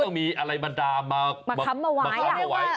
ต้องมีอะไรมาทำมาวาย